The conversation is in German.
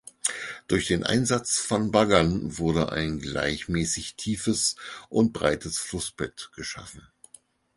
Durch den Einsatz von Baggern wurde ein gleichmäßig tiefes und breites Flussbett geschaffen.